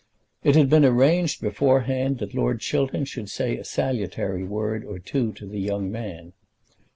It had been arranged beforehand that Lord Chiltern should say a salutary word or two to the young man.